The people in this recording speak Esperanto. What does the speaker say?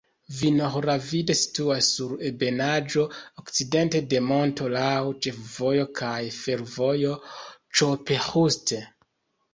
Vinohradiv situas sur ebenaĵo, okcidente de monto, laŭ ĉefvojo kaj fervojo Ĉop-Ĥust.